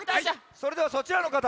それではそちらのかた。